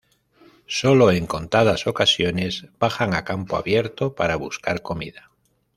Sólo en contadas ocasiones bajan a campo abierto para buscar comida.